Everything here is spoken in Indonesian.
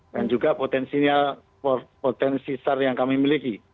dan juga potensi sar yang kami miliki